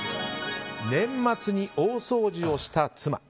年末に大掃除をした妻。